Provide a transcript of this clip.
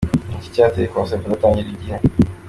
Ni iki cyateye Concert kudatangirira igihe?.